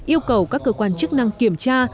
yêu cầu các cơ quan chức năng kiểm tra